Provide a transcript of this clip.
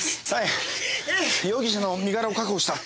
容疑者の身柄を確保した。